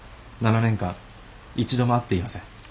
７年間一度も会っていません。